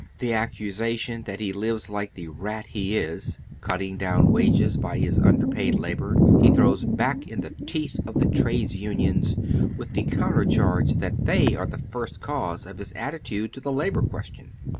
The accusation that he lives like the " rat " he is, cutting down wages by hia underpaid labor, he throws back in the teeth of tlie trades unions with the counter charge that they are the first cause of his attitude to the labor ques tion.